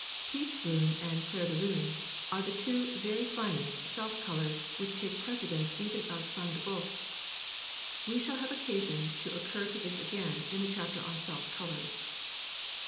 Peach bloom and "clair de lune" are the two very finest self colours which take precedence even of "sang de b┼ōuf." We shall have occasion to occur to this again in the chapter on self colours.